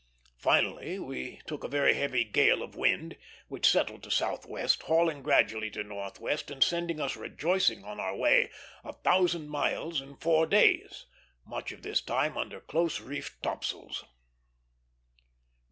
Finally we took a very heavy gale of wind, which settled to southwest, hauling gradually to northwest and sending us rejoicing on our way a thousand miles in four days, much of this time under close reefed topsails.